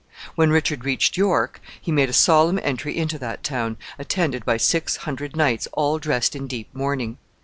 When Richard reached York, he made a solemn entry into that town, attended by six hundred knights all dressed in deep mourning.